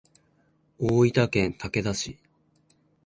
大分県竹田市